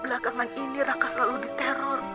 belakangan ini raka selalu diteror